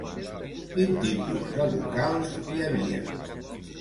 Quin tipus de locals hi havia?